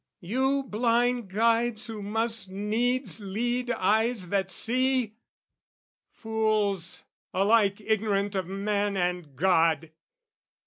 You blind guides who must needs lead eyes that see! Fools, alike ignorant of man and God!